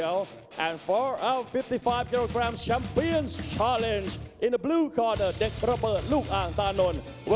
และชัมเปียนที่๕๕กิโลกรัมในคอร์เดอร์ลูกอ่างตานนท์